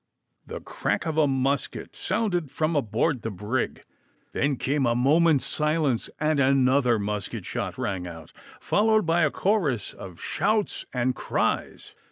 The crack of a musket sounded from aboard the brig. Then came a moment's silence and another musket shot rang out, followed by a chorus of shouts and cries.